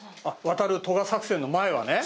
渡る渡河作戦の前はね。